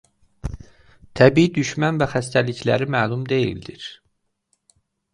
Təbii düşmən və xəstəlikləri məlum deyildir.